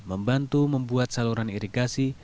membantu membuat saluran irigasi